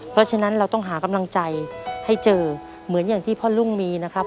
เพราะฉะนั้นเราต้องหากำลังใจให้เจอเหมือนอย่างที่พ่อลุงมีนะครับ